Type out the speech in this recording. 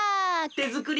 てづくり